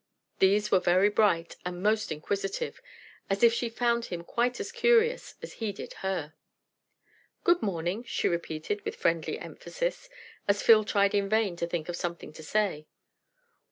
These were very bright and most inquisitive, as if she found him quite as curious as he did her. "Good morning," she repeated with friendly emphasis, as Phil tried in vain to think of something to say.